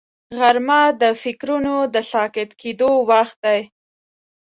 غرمه د فکرونو د ساکت کېدو وخت دی